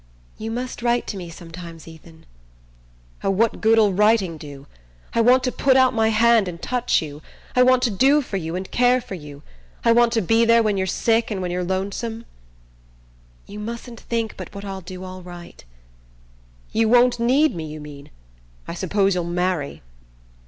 "You must write to me sometimes, Ethan." "Oh, what good'll writing do? I want to put my hand out and touch you. I want to do for you and care for you. I want to be there when you're sick and when you're lonesome." "You mustn't think but what I'll do all right." "You won't need me, you mean? I suppose you'll marry!"